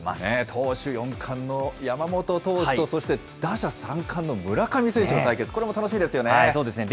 投手四冠の山本投手と、そして打者三冠の村上選手の対決、これも楽しみですよね。